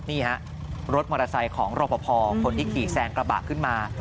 นี่ฮะรถมอเตอร์ไซค์ของรอปภคนที่ขี่แซงกระบะขึ้นมา